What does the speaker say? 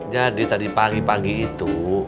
jadi tadi pagi pagi itu